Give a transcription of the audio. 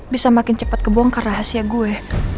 bisa makin cepat kebongkar rahasia gue